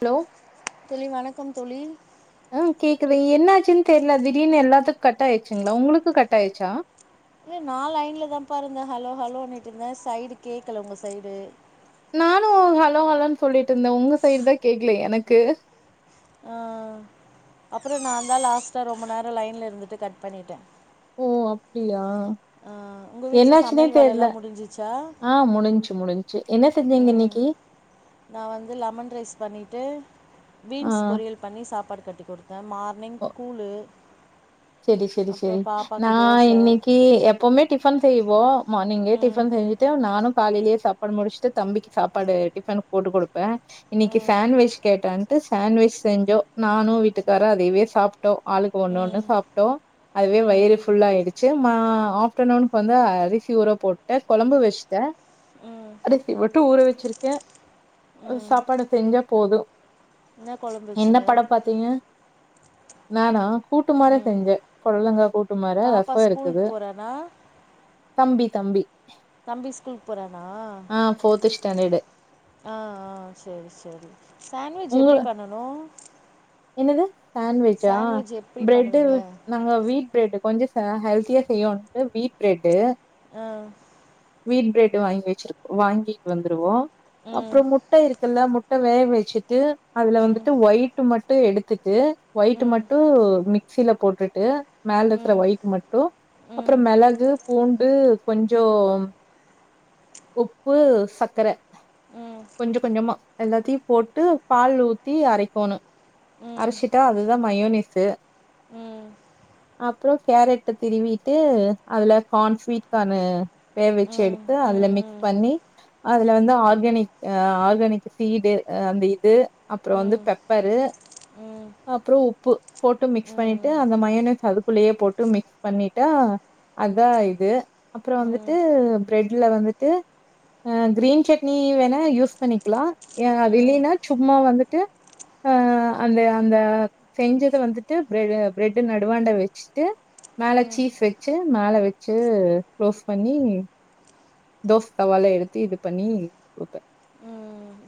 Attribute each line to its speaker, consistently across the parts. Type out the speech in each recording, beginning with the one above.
Speaker 1: Hello
Speaker 2: தோழி வணக்கம் தோழி
Speaker 1: அ கேக்குறது என்னாச்சுன்னு தெரியல திடீர்னு எல்லாத்துக் கட் ஆயிடுச்சுங்களா உங்களுக்கு கட்டாயிடுச்சா
Speaker 2: ஏ நா லைனல தாப்பா இருந்தே ஹலோ ஹலோன்னுட்டு இருந்தே சைடு கேட்கல உங்க சைடு
Speaker 1: நானும் ஹலோ ஹலோன்னு சொல்லிட்டு இருந்தே உங்க சைடு தா கேக்கல எனக்கு
Speaker 2: ஆ அப்புறோ நாதா லாஸ்ட்டா ரொம்ப நேரோ லைன்ல இருந்துட்டு கட் பண்ணிட்டே
Speaker 1: ஓ அப்டியா
Speaker 2: அ உங்க வீட்ல
Speaker 1: என்னாச்சுன்னே
Speaker 2: சமையல் வேலெல்லா
Speaker 1: தெர்ல
Speaker 2: முடிஞ்சிச்சா
Speaker 1: ஆ முடிஞ்சு முடிஞ்சு என்ன செஞ்சீங்க
Speaker 2: ம்
Speaker 1: இன்னைக்கு
Speaker 2: நா வந்து லெமன் ரைஸ் பண்ணிட்டு
Speaker 1: ஆ
Speaker 2: பீன்ஸ் பொரியல் பண்ணி சாப்பாடு கட்டி கொடுத்துேன் அ மார்னிங்
Speaker 1: ஓ
Speaker 2: ஸ்கூல்லு
Speaker 1: செரி செரி நா இன்னைக்கி எப்பவுமே டிபன் செய்வோ மார்னிங்கே டிப்
Speaker 2: ம்
Speaker 1: இருந்துட்டு நானு காலையிலயே சாப்பாடு முடிச்சுட்டு தம்பிக்கு சாப்பாடு டிஃபன் போட்டு கொடுத்திட்டு ட்ட இன்னைக்கி
Speaker 2: ம்
Speaker 1: சண்டவிச் கேட்டான் சாண்வெச் செஞ்சோ நானு வீட்டுக்காரு அதவே சாப்பிட்டோ ஆளுக்கு ஒண்ணு ஒண்ணு
Speaker 2: ம்
Speaker 1: சாப்ட் ஹலோ அதுவே
Speaker 2: ம்
Speaker 1: வயிறு ஃபுல்லா ஆயிடுச்சு ட்டு மா ஆப்டர் நூனுக்கு வந்து அரிசி ஊர போட்டே கொழம்பு வச்சு த
Speaker 2: ம்
Speaker 1: அருசி மட்டு ஊற வச்சிருக்கே
Speaker 2: ம்
Speaker 1: சாப்பாடு செஞ்சா போது
Speaker 2: என்ன கொழம்பு
Speaker 1: என்ன
Speaker 2: வச்சீங்க
Speaker 1: படம் பாத்தீங்க நானா கூட்டு மாரி
Speaker 2: ம்
Speaker 1: செஞ்ச பொடலங்காய் கூட்டு மார
Speaker 2: பாப்பா
Speaker 1: ரசோ
Speaker 2: ஸ்கூலுக்கு
Speaker 1: இருக்குது
Speaker 2: போறானா
Speaker 1: தம்பி தம்பி
Speaker 2: தம்பி ஸ்கூலுக்கு போறானா
Speaker 1: ஆ ஃபோர்த்து ஸ்டாண்டர்டு
Speaker 2: ஆ ஆ செரி செரி சாண்ட்விச்
Speaker 1: உங்க
Speaker 2: எப்படி பண்ணனு
Speaker 1: என்னது சாண்வெச்சா
Speaker 2: சாண்ட்விச் எப்டி
Speaker 1: பிரெட்
Speaker 2: பண்ணுவீங்க
Speaker 1: நாங்க வீட் பிரெட் கொஞ்சோ ஹெல்த்தியா செய்யோண்ட்டு வீட் பிரெட்டு
Speaker 2: அ
Speaker 1: வீட் பிரெட் வாங்கி வச்சிருக்கோ வாங்கிட்டு வந்துருவோ
Speaker 2: ம்
Speaker 1: அப்புறோ முட் முட்ட இருக்குல்ல முட்ட வேக வச்சுட்டு அதுல
Speaker 2: ம்
Speaker 1: வந்துட்டு ஒயிட்டு மட் ட்ரு எடுத்துட்டு
Speaker 2: ம்
Speaker 1: ஒயிட்
Speaker 2: ம்
Speaker 1: மட்டு மிக்சியில போட்டுட்டு மேலருக்கற
Speaker 2: ம்
Speaker 1: ஒயிட் மட்டு அப்புறோ
Speaker 2: ம்
Speaker 1: மிளகு பூண்டு கொஞ்சோ உப்பு சக்கர
Speaker 2: ம் ம்
Speaker 1: கொஞ்சோ கொஞ்சமா எல்லாத்தையு போட்டு பால்ல ஊத்தி அரைக்கணு
Speaker 2: ம்
Speaker 1: அரைச்சிட்டா அதுதா மயோனிஸு
Speaker 2: ம்
Speaker 1: அப்புறோ கேரட் திருவிட்டு அதுல கார்ன் ஸ்வீட்கானு
Speaker 2: ம்
Speaker 1: வேவெச்சு
Speaker 2: ம் ம் ம்
Speaker 1: எடுத்து அதுல மிக்ஸ் பண்ணி அதுல வந்து ஆர்கானிக் அ ஆர்கானிக் சீடு அந்த இது அப்புறோ வந்து பெப்பரு அப்புறோ உப்பு போட்டு மிக்ஸ் பண்ணிட்டு அந்த மையனஸ் அதுக்குள்ளயே போட்டு மிக்ஸ் பண்ணிட்டா அதா இது அப்புறோ வந்துட்டு
Speaker 2: ம் ம்
Speaker 1: பிரெட்ல வந்துட்டு அ கிரீன் சட்னி வேணா யூஸ் பண்ணிக்கலா அது
Speaker 2: ம்
Speaker 1: இல்லன்னா சும்மா வந்துட்டு ஆ அந்த அந்த செஞ்சத வந்துட்டு பிர பிரெட்டு நடுவாண்ட வச்சுட்டு மேலே சீஸ் வச்சு மேலே வச்சு க்ளோஸ் பண்ணி தோச தவால எடுத்து இது பண்ணிப்ப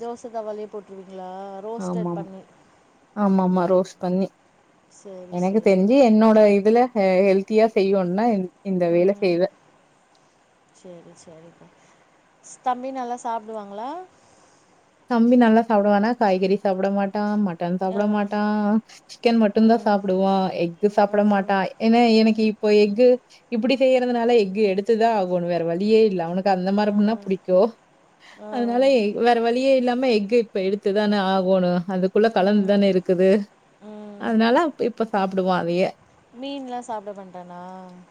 Speaker 2: தோசை தவாலயே போட்டுருவீங்களா ரோஸ்டட் பண்ணு
Speaker 1: ஆமா ஆமா ரோஸ் பண்ணி
Speaker 2: சரி
Speaker 1: எனக்கு தெரிஞ்சு
Speaker 2: சரிப்பா
Speaker 1: என்னோட இதுல ஹெல்த் த்தியா செய்வோம்னா இந் இந்த வேல
Speaker 2: ம்
Speaker 1: செய்வே
Speaker 2: தம்பி நல்லா சாப்பிடுவாங்களா
Speaker 1: தம்பி நல்லா சாப்படுவானா காய்கறி சாப்பிட மாட் டா மட்டன்
Speaker 2: ஆ
Speaker 1: சாப்ட மாட்டா சிக்கன் மட்டுந்தா
Speaker 2: ம்
Speaker 1: சாப்டுவா எக் இங்க
Speaker 2: ஆ
Speaker 1: சாப்பிட மாட்டான் ஏன்னா எனக்கு இப்போ எக்கு இப்டி செய்றதுனால எக்கு எடுத்துதா ஆகணு வேற வழியே இல்லை அவனுக்கு அந்த
Speaker 2: ஆ
Speaker 1: மாரினா பிடிக்கு
Speaker 2: ஆ
Speaker 1: அதனாலே வேற வழி வழியே இல்லாம எக்கு இப்ப எடுத்துதானே ஆகோணு அதுக்குள்ள
Speaker 2: ம்
Speaker 1: கலந்துதானே இருக்குது
Speaker 2: ம்
Speaker 1: அதனால அப் இப்ப சாப்பிடுவான் அதய
Speaker 2: மீன்லா சாப்ட மாட்டானா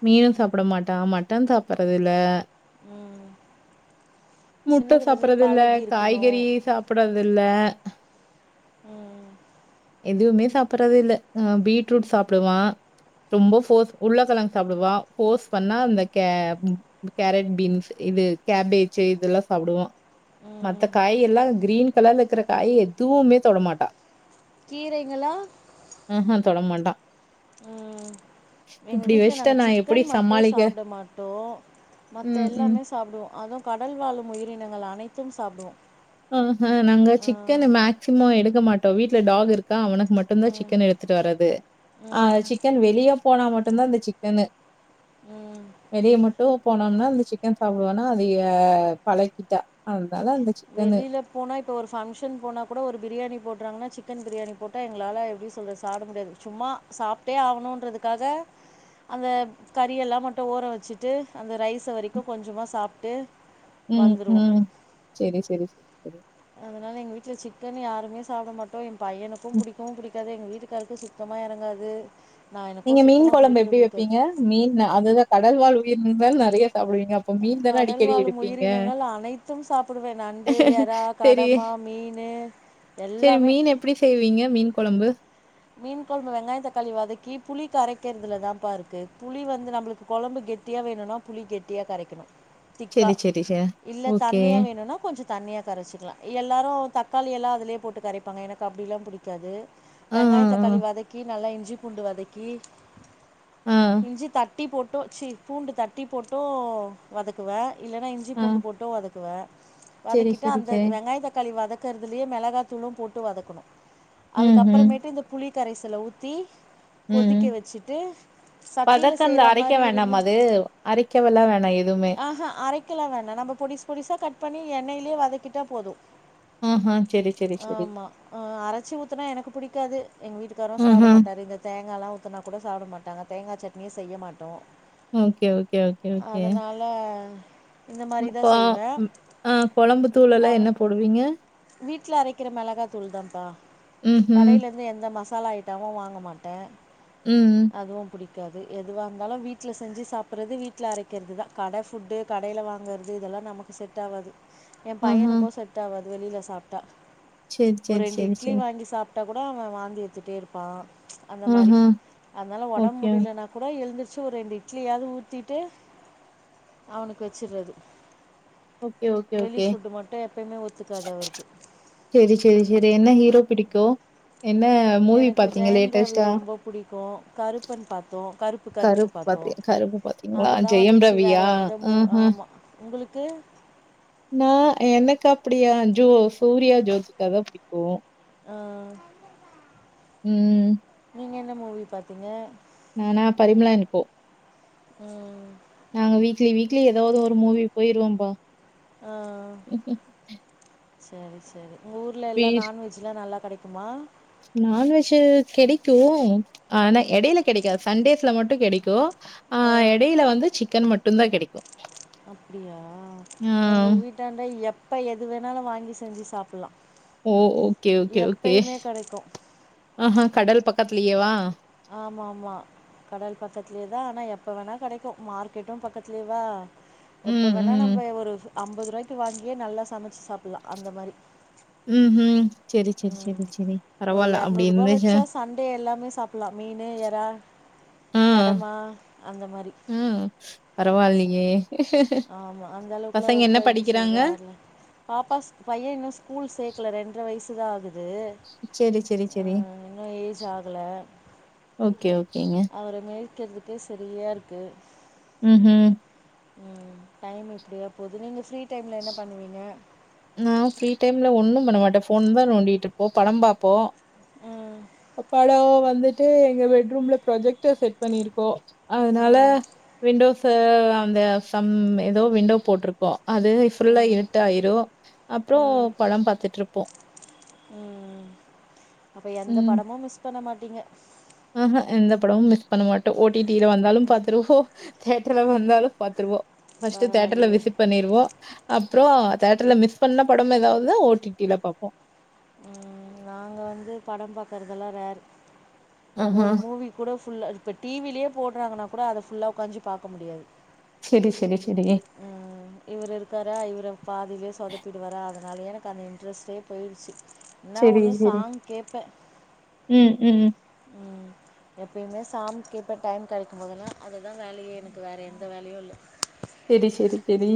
Speaker 1: மீனு சாப்ட மாட்டா மட்டன் சாப்றதில்ல
Speaker 2: ம்
Speaker 1: முட்ட
Speaker 2: சின்னதுலேருந்தே
Speaker 1: சாப்றதில்ல
Speaker 2: பழகி
Speaker 1: காய்
Speaker 2: இருக்கணு
Speaker 1: சாப்டதில்ல
Speaker 2: ம்
Speaker 1: எதுவுமே சாப்டடுறதே இல்ல ஆ பீட்ரூட் சாப்டுவா ரொம்போ போர்ஸ் உள்ளக்கிழங்கு சாப்பிடுவா போர்ஸ் பண்ணா அந்த கே இந்த கேரட் பீன்ஸ் இது கேபேஜு இதெல்லா சாப்பிடுவான் இந்த
Speaker 2: ம்
Speaker 1: காய் எல்லா கிரீன் கலர்ல இருக்கிற காய் எதுவுமே தொடமாட்டா
Speaker 2: கீரைங்களா
Speaker 1: ம்ஹ் ஹ தொட மாட்டா
Speaker 2: ம் எங்க வீட்டுல
Speaker 1: வச்சுட்டா
Speaker 2: நாங்க
Speaker 1: நான் எப்படி
Speaker 2: சிக்கன் மட்டு
Speaker 1: சமாளிக்க?
Speaker 2: சாப்பிட மாட்டோ மத்த
Speaker 1: ம், ம்.
Speaker 2: எல்லாமே சாப் சாப்டுவோ அதுவு கடல் வாழும் உயிரினங்கள் அனைத்து சாப்டுவோ
Speaker 1: ஆஹ் ஹ நாங்க
Speaker 2: ஆ
Speaker 1: சிக்கனு மேக்சிமம் எடுக்க மாட்டோ வீட்ல டாக் இருக்கா அவனுக் மட்டுந்தா
Speaker 2: ம்
Speaker 1: சிக்கன் எடுத்துட்டு வர்து ஆ
Speaker 2: ம்
Speaker 1: சிக்கன் வெளிய போனா மட்டுந்தா இந்த சிக்கனு
Speaker 2: ம்
Speaker 1: வெளிய மட்டு போனோம்னா இந்த சிக்கன் சாப்பிடுவேனா அதயே பழக்கிட்டா அதனால அந்த சிக்கனு.
Speaker 2: வெளிலப் போனா இப்போ ஒரு பங்க்ஷன் போனா கூட ஒரு பிரியாணி போடுறாங்கன்னா சிக்கன் பிரியாணி போட்டா எங்களா எப்டி சொல்றது சாப்ட முடியாது சும்மா சாப்ட்டே ஆகணுன்றதுக்காக அந்த கறியெல்லா மட்டு ஓரோ வச்சுட்டு அந்த ரைஸை வரைக்கு கொஞ்சமா சாப்ட்டு
Speaker 1: ம்
Speaker 2: வந்துருவோ
Speaker 1: ம் செரி செரி செரி
Speaker 2: அதனால எங்க வீட்ல சிக்கன் யாருமே சாப்ட மாட்டோ எ பையனுக்கு
Speaker 1: ம்.
Speaker 2: புடிக்கவு புடிக்காது எங்க வீட்டுக் க்காருக்கு சுத்தமா இறங்காது நா
Speaker 1: நீங்க
Speaker 2: எனக்கு
Speaker 1: மீன்
Speaker 2: சுத்தமா
Speaker 1: குழம்பு
Speaker 2: புடிக்கவே
Speaker 1: எப்படி
Speaker 2: புடிக்காது
Speaker 1: வைப்பீங்க? மீன் அதுதா கடல் வாழ் உயரினிங்கள் நெறையா சாப்பிடுவீங்க அப்போ மீன் தானே
Speaker 2: கடல்
Speaker 1: அடிக்கடி
Speaker 2: வாழும்
Speaker 1: எடுப்பீங்க.
Speaker 2: உயிரினங்கள் அனைத்து சாப்பிடுவே நண்டு எறா
Speaker 1: சரி,
Speaker 2: கடம்பா மீனு எல்லாமே
Speaker 1: எப்டி செய்வீங்க மீன் குழம்பு
Speaker 2: மீன் கொழம்பு வெங்காய தக்காளி வதக்கி புளி கரைக்கிறதுலதான்பா இருக்கு புளி வந்து நம்மளுக்கு கொழம்பு கெட் டியா வேணுனா புளி கெட்டியா கரைக்கணு திக்கா
Speaker 1: சரி, சரி, சரி.
Speaker 2: இல்ல
Speaker 1: ஓகே.
Speaker 2: தண்ணியா வேணுனா கொஞ்ச தண்ணியா கரைச்சிக்கலா எல்லாரு தக்காளி எல்லா அதிலேயே போட்டு கரைப்பாங்க எனக்கு அப்டிலா புடிக்காது
Speaker 1: ஆ,
Speaker 2: வெங்காயம் தக்காளி
Speaker 1: ஆ,
Speaker 2: வதக்கி நல்லா இஞ்சி பூண்டு வதக்கி
Speaker 1: ஆ. ஆ,
Speaker 2: இஞ்சி தட்டி போட்டு சி பூண்டு தட்டி போட்டு வதக்குவே இல்லைன்னா இ ஞ்சி
Speaker 1: ஆ.
Speaker 2: பூண்டு போட்டு வதக்குவே
Speaker 1: செரி
Speaker 2: வதக்கிட்டு
Speaker 1: செரி
Speaker 2: அந்த
Speaker 1: செரி
Speaker 2: வெங்காய தக்காளி வதக் க்கிறதலயே மிளகாத்தூளு போட்டு வதக்கணு
Speaker 1: ம்
Speaker 2: அதுக்கப்
Speaker 1: ம்
Speaker 2: து இந்த புளி கரைசலை ஊத்தி
Speaker 1: ம்
Speaker 2: கொதிக்க வச்சுட்டு சட்டியில
Speaker 1: பதக்கந்த
Speaker 2: செய்ற
Speaker 1: அரைக்க
Speaker 2: மாரி இருந்தா
Speaker 1: வேண்டாமா அது அரைக்கவெல்லா வேணா எதுவுமே
Speaker 2: ஆஹா அரைக் க்கல்லா வேண்டா நம்ப பொடிஸ் பொடிஸ்ஸா கட் பண்ணி எண்ணயிலே வதக்கிட்டா போது
Speaker 1: ஆஹா செரி செரி செரி
Speaker 2: ஆமா ஆ அரச்சி ஊத்துனா எனக்கு புடிக்காது எங்க வீட்டுக்காரு சாப்ட
Speaker 1: ஆஹா
Speaker 2: மாட்டா இந்தத் தேங்கால்லா ஊத்துன்னா குட சாப்புட மாட்டாங்க தேங்கா சட்னியே செய்ய மாட்டோ
Speaker 1: ஓக்கே ஓக்கே ஒக்கே ஒக்கே
Speaker 2: ஆ
Speaker 1: ம் ஆ ம் ஆ கொழம்பு தூள் எல்லா
Speaker 2: மொள
Speaker 1: என்ன போடுவீங்க
Speaker 2: வீட்ல அரைக்கிற மெளகா தூள்தாம்ப்பா
Speaker 1: ம்ஹும்
Speaker 2: கடைலேந்து எந்த மசாலா ஐட்டமு வாங்க மாட்டே
Speaker 1: ம் ம்
Speaker 2: அதுவு புடிக்காது எதுவாந்தாலு வீட்ல செஞ்சு சாப்பட்றது வீட்ல அரைக்கறதுதா கட ஃபுட்டு கடைல வாங்கறது இதெல்லா நமக்கு செட்டாவாது என்
Speaker 1: ஆஹா
Speaker 2: பையனுக்கூ செட்டாவாது வெளில சாப்ட்டா
Speaker 1: செரி
Speaker 2: ஒரு
Speaker 1: செரி
Speaker 2: ரெண்டு
Speaker 1: செரி
Speaker 2: இட்லி
Speaker 1: செரி
Speaker 2: வாங்கி சாப் ட்டா கூட அவ வாந்தி எடுத்திட்டேருப்பா அந்த மாரி
Speaker 1: ஆஹா
Speaker 2: அதனால ஒடம்
Speaker 1: ஓகே
Speaker 2: முடிலனா இப்ப தா எழுந்த்ருச்சு ஒரு ரெண்டு இட்லியாது ஊத்திட்டு அவுனுக்கு வச்சுர்றது
Speaker 1: ஓகே ஓகே
Speaker 2: வெளி
Speaker 1: ஓகே
Speaker 2: ஃபுட்டு மட்டு எப்பயுமே ஒத்துக்காது அவருக்கு
Speaker 1: செரி செரி செரி என்ன ஹீரோ பிடிக்கு என்ன மூவி பாத்தீங்க லேட்டஸ்ட்டா
Speaker 2: புடிக்கு கருப்பன் பாத்தோ கருப்பு கருப்பு பாத்தோ
Speaker 1: பாத்தி கருப்பு பாத்தீங்களா
Speaker 2: அதுதா
Speaker 1: ஜெயம்
Speaker 2: வந்துச்சு வேற
Speaker 1: ரவியா
Speaker 2: எந்த மூ
Speaker 1: ஆஹா
Speaker 2: ஆமா உங்களுக்கு
Speaker 1: நா எனக்கு அப்டியா ஜோ சூர்யா ஜோதிகாதா புடிக்கு
Speaker 2: ஆ
Speaker 1: ம்
Speaker 2: நீங்கென்ன மூவி பாத்தீங்க
Speaker 1: நா நா பரிமளா என் கோ
Speaker 2: ம்
Speaker 1: நாங்க வீக்லி வீக்லி எதாவது ஒரு மூவி போயிருவோம்பா
Speaker 2: ஆ சரி சரி உங்க ஊர்ல எல்லா நான்வெஜ் ச்சிலா நல்லா கெடைக்குமா
Speaker 1: நான்வெஜ்ஜு கெடிக்கூ ஆனா
Speaker 2: ம்
Speaker 1: எடையில கெடைக்காத் சண்டேஸ்ல மட்டு கெடைக்கூ ஆ எடையில வந்து சிக்கன் மட்டுந்தா கெடைக்கு
Speaker 2: அப்டியா எங்க வீட்டாண்ட எப்ப எது வேணாலு வாங்கி செஞ்சு சாப்பல்லா
Speaker 1: ஓ ஓக்கே ஓக்கே ஓக்கே
Speaker 2: கிடைக்கும்
Speaker 1: ஆஹா கடல் பக்கத்துலயேவா
Speaker 2: ஆம்ம ஆம்மா கடல் பக்கத்துலேதா ஆனா எப்ப வேணா கெடைக்கு மார்க்கெட்டு பக்கத்துலேவா எப்ப
Speaker 1: ம்,
Speaker 2: வேணா
Speaker 1: ம்.
Speaker 2: நம்ப ஒரு அம்பது ரூவாய்க்கி வாங்கியே நல்லா சமச்சு சாப்ல்லா அந்த மாரி
Speaker 1: ம் ம் செரி செரி
Speaker 2: ம்.
Speaker 1: செரி செரி
Speaker 2: ஒரு ரூ.
Speaker 1: பரவால்ல அப்டி இந்தக
Speaker 2: வச்சா சண்டே எல்லாமே சாப் ப்லா மீனு எறா கடமா அந்த மாரி
Speaker 1: ம் பராவால்லியே
Speaker 2: ஆமா அந்தளவுக்குலா ரொம்ப எப்டி சொல்றாரு பைய இன்னு ஸ்கூல் சேக்கல ரெண்ட்ர வயசுதா ஆகு து
Speaker 1: செரி செரி
Speaker 2: ஆ
Speaker 1: செரி
Speaker 2: இன்னு ஏஜ் ஆகல
Speaker 1: ஓக்கே ஓக்கேங்க
Speaker 2: அவர மேய்கற்து அதே சரியா இருக்கு
Speaker 1: ம் ஹூம்
Speaker 2: ம் டைம் எப்படியோ போது நீங்க ஃப்ரீ டைம்ல என்ன பண்ணுவீங்க
Speaker 1: நா ஃப்ரீ டைம்ல ஒன்னும் பண்ண மாட்ட ஃபோன் தான் நோண்டிட்ருப்போ படம் பாப்போ
Speaker 2: ம்
Speaker 1: அப்பாட வந்துட்டு எங்க பெட்ரூம்ல ப்ரொஜெக்ட செட் பண்ணிருக்கோ அதனால
Speaker 2: ம்
Speaker 1: விண்டோஸ் அந்த சம் ஏதோ விண்டோ போட்டிருக்க அது ஃபுல்லா
Speaker 2: ம்
Speaker 1: இருட்டு ஆயிரு அப்பற
Speaker 2: ம்
Speaker 1: படம் பாத்துட்டு இருப்போ
Speaker 2: ம் அப்ப எந்த படமு மிஸ் பண்ண மாட்டீங்க
Speaker 1: ஆஹ்ஹா எந்த படமும் மிஸ் பண்ண மாட்டோ ஓ டி டியில வந்தாலு பாத்துருவோ தேட்டர்ல வந்தாலு பாத்துருவோ பர்ஸ்ட் தேட்டர்ல
Speaker 2: பரவாயில்லையே
Speaker 1: விசிட் பண்ணிருவோ அப்பற தேியேட்டர்ல மிஸ் பண்ண படம் ஏதாவது ஓ டி பிலா பாார்ப்போ
Speaker 2: ம் நாங்க வந்து படம் பாக்கறதெல்லா ரேர் ஒரு மூவி கூட ஃபுல் இப்ப டிவிலயே போடுறாங்கன்ன கூட அத ஃபல்லாக உட்கா்சு பக்க முடியாது
Speaker 1: சேரி சேரி சேரி
Speaker 2: ம் ம் இவரு இருக்காரா இவர பாதியிலயே சொதப்பிடுவாரா அதனாலய எனக்கு அந்த இன்ட்ரெஸ்டே போயிடுச்சு என ஒன்னு சாங் கேபே எப்பவுமே சாங் கேப்பே டைம் கிடைக்கு போதல்லா அது தா வேலயே எனக்கு வேறு எந்த வேலையு இல்ல
Speaker 1: சேரி சேரி சேரி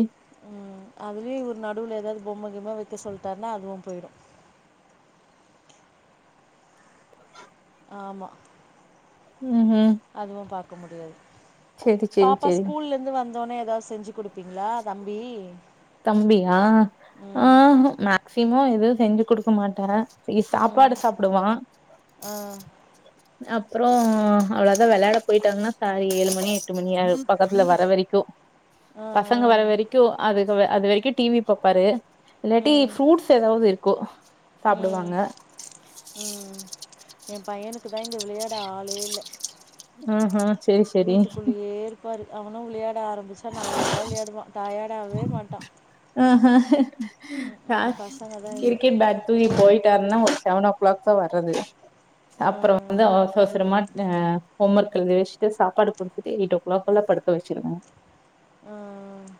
Speaker 2: ம் அதுலயு இவரு நடுவுல ஏதாவது பொம்ம கிம்ம வைக்க சொல்லிட்டாருனா அதுவு போயிடு ஆமா
Speaker 1: ம் ம்
Speaker 2: அதுவு பாக்க முடியாது
Speaker 1: சரி
Speaker 2: பாப்பா
Speaker 1: சரி
Speaker 2: ஸ்கூல்ல ந்து வந்தோனே ஏதாவது செஞ்சு கொடுப்பீங்களா தம்பி
Speaker 1: தம்பியா ஆ ஆ
Speaker 2: ம்
Speaker 1: மேக்சிமம் எதுவு செஞ்சு கொடுக்க மாட்டே
Speaker 2: ம்
Speaker 1: சாப்பாடு சாப்பிடுவா
Speaker 2: ஆ
Speaker 1: அப்பறோ அவ்வளதா விளயாட போயிட்ட ஏழுமணி எட்டு மணி பக்கத்துல வர வரைக்கு
Speaker 2: ஆ
Speaker 1: பசங்க
Speaker 2: ஆ
Speaker 1: வர வரைக்கு அதுக்கு அது வரைக்கு டிவி பாப்பாரு இல்லாட்டி
Speaker 2: ம்
Speaker 1: ஃப்ரூட்ஸ் ஏதாவது இருக்கு
Speaker 2: ம்
Speaker 1: சாப்பிடுவாங்க
Speaker 2: ம் என் பையனுக்கு தா இங்க விளையாட ஆளே இல்ல
Speaker 1: ம்கு
Speaker 2: வீட்டுக்குள்ளேயே இருப்பாரு அவனு விளையாட ஆரம்பிச்சா நல்லா விளையாடுவா டயர்டவே மாட்டா
Speaker 1: ஆ
Speaker 2: ம்ஹூம் பசங்க தா இல்ல
Speaker 1: கிரிக்கெட் பேட் தூக்கி போயிட்டாருன்னா ஒரு செவன் ஓ கிளாக் தா வர்றது
Speaker 2: ஆ
Speaker 1: அப்பற வந்து அவசர அவசரமா த ஹோம்ர்க் எழுத வச்சிட்டு சாப்பாடு குடுத்துட்டு எய்ட் ஓ கிளாக்குல்ல படுக்க வச்சுருவோ
Speaker 2: ஆ ஆ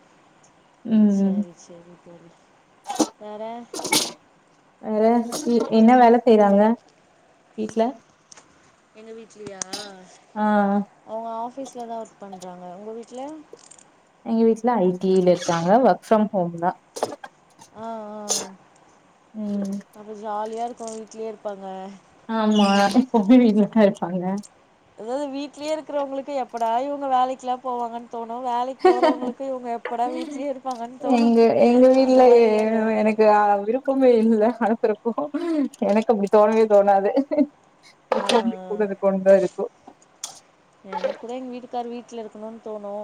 Speaker 1: ம்
Speaker 2: சேரி சேரி சேரி வேற
Speaker 1: வேற என்ன வேலை செய்யறாங்க வீட்டுல
Speaker 2: எங்க வீட்டு்லையா
Speaker 1: ஆ ஹ்
Speaker 2: அ ஆஃபீஸ்லதா ஒர்க் பண்றாங்க உங்க வீட்ல
Speaker 1: எங்க வீட்டுல ஐடிில இருக்காங்க ஒர்க் ஃப்ரம் ஹோம் தா
Speaker 2: ஆ ஆ
Speaker 1: ம்
Speaker 2: அப்பற ஜாலியா இருக்கு வீட்லயே இருப்பாங்க
Speaker 1: ஆமா எப்பமே வீட்டுல தா இருப்பாங்க
Speaker 2: அதாவது வீட்லயே இருக்கிறவங்களுக்கு எப்படா இவங்க வேலைக்கெல்லா போவாங்கன்ன தோணு வேலைக்கு போறவங்களுக்கு இவங்க எப்படா வீட்லயே இருப்பாங்கன்னு தோணு
Speaker 1: எங்க எங்க
Speaker 2: அந்த
Speaker 1: வீட்ல
Speaker 2: மாரி தானே
Speaker 1: எனக்கு விருப்பமே இல்ல அனுப்புற போ எனக்கு அப்படி தோணவே தோணாது
Speaker 2: அ அ
Speaker 1: கூடது கொண்டுதா இருக்கு
Speaker 2: எனக் கூட எங்க வீட்டுக் க்கார் வீட்டுல இருக்கணுன தோணு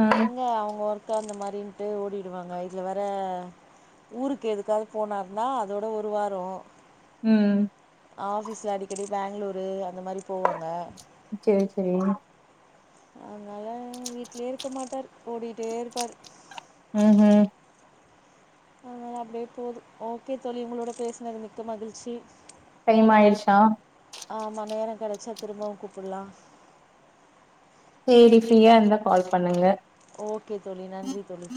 Speaker 1: ஆ
Speaker 2: எங்க அவுங்க ஒர்க் சோ அந்த மாரின்ட்டு ஓடிடுவாங்க இதுல வேற ஊருக்கு எதுக்காவது போனாருனா அதோட ஒரு வார
Speaker 1: ம்
Speaker 2: ஆஃபீஸ்ல அடிக்கடி பெங்களூரு அந்த மாரி போவாங்க
Speaker 1: சேர் செரி
Speaker 2: அதனால வீட்லயே இருக்க மாட்டாரு ஓடிக்கிட்டே இருப்பாரு
Speaker 1: உஹும்
Speaker 2: ஆ அப்டியே போது ஓகே தோழி உங்களோட பேசுனது மிக்க மகிழ்ச்சி
Speaker 1: டைம் ஆயிடுச்சா
Speaker 2: ஆ அம்மா நேரம் கெடச்சா திரும்பவும் கூப்புல்லா
Speaker 1: சேரி ஃப்ரீயா இருந்தா கால் பண்ணுங்க
Speaker 2: ஓகே தோழா நன்றி தோழி